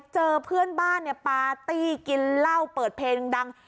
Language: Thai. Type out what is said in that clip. เจอเพื่อนบ้านเนี่ยปาร์ตี้กินเหล้าเปิดเพลงดัง